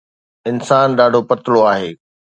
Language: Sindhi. انسان ڏاڍو پتلو آهي